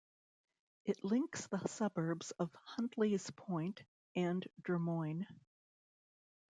It links the suburbs of Huntleys Point and Drummoyne.